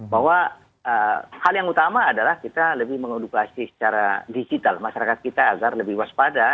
bahwa hal yang utama adalah kita lebih mengedukasi secara digital masyarakat kita agar lebih waspada